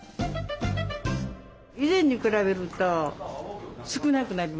以前に比べると少なくなりましたね。